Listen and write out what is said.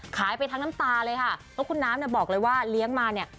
ไปทั้งน้ำตาเลยค่ะแล้วคุณน้ำเนี่ยบอกเลยว่าเลี้ยงมาเนี่ย